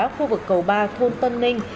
khu vực cầu ba thôn tân ninh